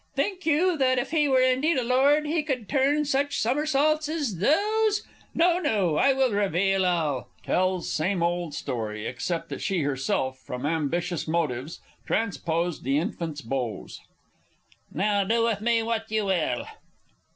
Think you that if he were indeed a lord, he could turn such somersaults as those? No no. I will reveal all. (Tells same old story except that she herself from ambitious motives transposed the infants' bows.) Now, do with me what you will!